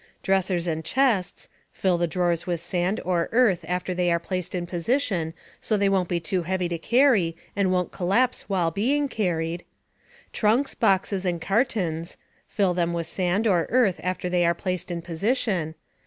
Dressers and chests (fill the drawers with sand or earth after they are placed in position, so they won't be too heavy to carry and won't collapse while being carried). Trunks, boxes and cartons (fill them with sand or earth after they are placed in position).